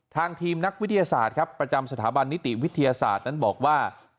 ทางทีมนักวิทยาศาสตร์ครับประจำสถาบันนิติวิทยาศาสตร์นั้นบอกว่า